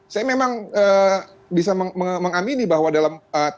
saya memang bisa mengamini bahwa dalam